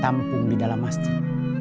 bisa tertampung di dalam masjid